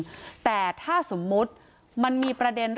เอาเป็นว่าอ้าวแล้วท่านรู้จักแม่ชีที่ห่มผ้าสีแดงไหม